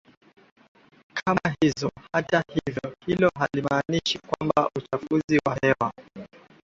kama hizo Hata hivyo hilo halimaanishi kwamba uchafuzi wa hewa